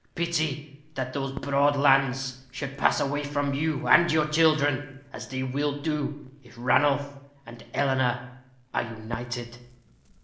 Pity that those broad lands should pass away from you and your children, as they will do, if Ranulph and Eleanor are united."